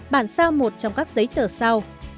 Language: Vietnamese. bản sao một trong các giấy tờ sau